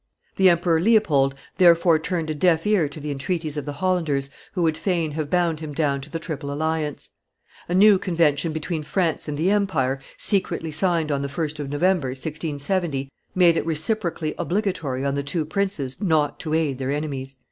The Emperor Leopold therefore turned a deaf ear to the entreaties of the Hollanders who would fain have bound him down to the Triple Alliance; a new convention between France and the empire, secretly signed on the 1st of November, 1670, made it reciprocally obligatory on the two princes not to aid their enemies.